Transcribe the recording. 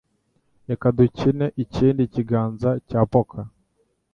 Reka dukine ikindi kiganza cya poker